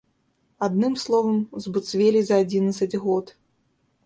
Адным словам, збуцвелі за адзінаццаць год.